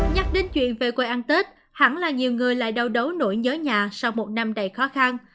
nhắc đến chuyện về quê ăn tết hẳn là nhiều người lại đau đấu nhớ nhà sau một năm đầy khó khăn